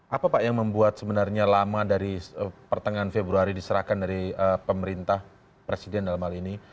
apa pak yang membuat sebenarnya lama dari pertengahan februari diserahkan dari pemerintah presiden dalam hal ini